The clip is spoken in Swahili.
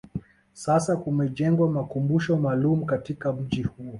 sasa kumejengewa makumbusho maalum katika mji huo